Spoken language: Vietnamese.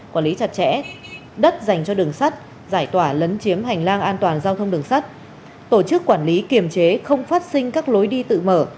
quản lý chặt chẽ đất dành cho đường sắt giải tỏa lấn chiếm hành lang an toàn giao thông đường sắt tổ chức quản lý kiềm chế không phát sinh các lối đi tự mở